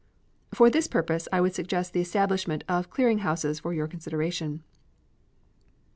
For this purpose I would suggest the establishment of clearing houses for your consideration.